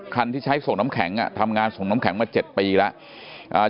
ที่ใช้ส่งน้ำแข็งทำงานส่งน้ำแข็งมา๗ปีแล้ว